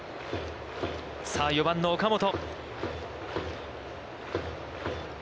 さあ４番の岡本。